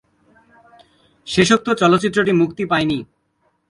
শেষোক্ত চলচ্চিত্রটি মুক্তি পায়নি।